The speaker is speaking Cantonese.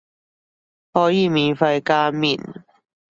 可以免費加麵